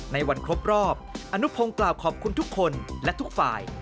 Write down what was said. ในวันครบรอบอนุพงศ์กล่าวขอบคุณทุกคนและทุกฝ่าย